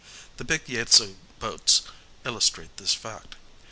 The big Yaidzu boats illustrate this fact.